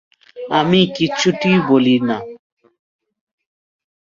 আমি কিচ্ছুটি বলিনা।